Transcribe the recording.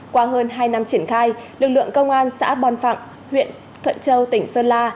qua hơn hai năm triển khai lực lượng công an xã bòn phạng huyện thuận châu tỉnh sơn la